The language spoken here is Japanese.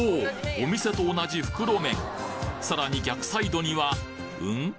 お店と同じ袋麺さらに逆サイドにはん？